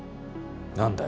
何だよ？